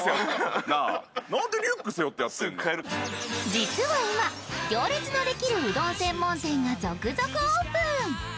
実は今、行列のできるうどん専門店が続々オープン。